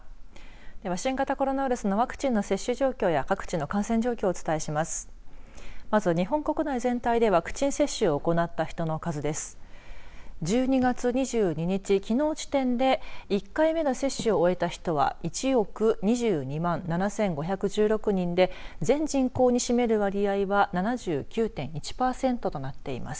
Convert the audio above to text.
では、新型コロナウイルスのワクチンの接種状況や各地の感染状況をお伝えします。